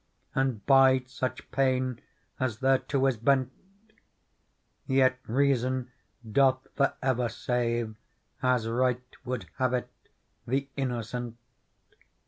And bide such pain as thereto is bent. Yet reason doth for ever save, As right would have it, the innocent.